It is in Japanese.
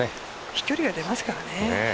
飛距離が出ますからね。